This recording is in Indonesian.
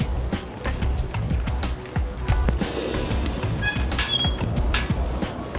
kamu ntar ya